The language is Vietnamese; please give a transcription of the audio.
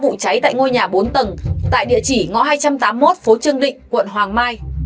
vụ cháy tại ngôi nhà bốn tầng tại địa chỉ ngõ hai trăm tám mươi một phố trương định quận hoàng mai